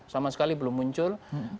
sama sekali belum muncul